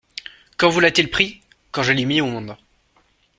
«Quand vous l'a-t-il pris ? Quand je l'ai mis au monde.